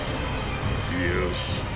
よし。